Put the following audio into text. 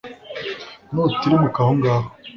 nutirimuka aho ngaho